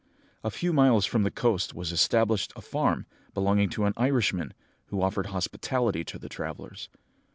A few miles from the coast was established a farm, belonging to an Irishman, who offered hospitality to the travellers.